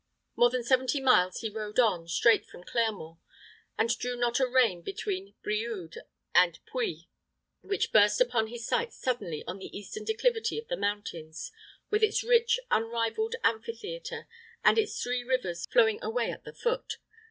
More than seventy miles he rode on straight from Clermont, and drew not a rein between Brioude and Puy, which burst upon his sight suddenly on the eastern declivity of the mountains, with its rich, unrivaled amphitheatre, and its three rivers flowing away at the foot.